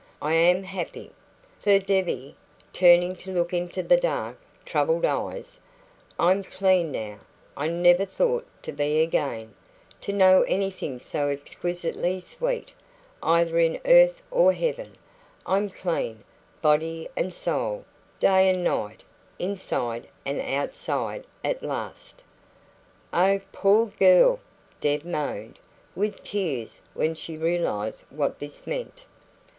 I AM happy. For, Debbie" turning to look into the dark, troubled eyes "I'm clean now I never thought to be again to know anything so exquisitely sweet, either in earth or heaven I'm clean, body and soul, day and night, inside and outside, at last." "Oh, POOR girl!" Deb moaned, with tears, when she realised what this meant.